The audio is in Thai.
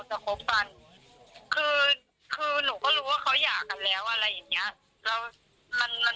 หน้าที่การงานหนูคือไปไม่ได้เลยตอนนี้หนูเสียหายหมดเลย